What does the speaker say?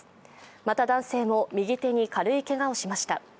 また、男性も右手に軽いけがをしました。